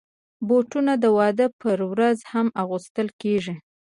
بوټونه د واده پر ورځ هم اغوستل کېږي.